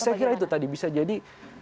saya kira itu tadi bisa jadi